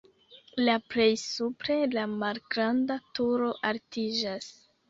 La plej supre la malgranda turo altiĝas.